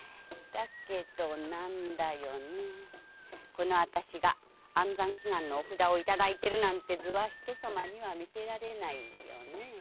このあたしが安産祈願のお札をいただく図は人様には見せられないよね。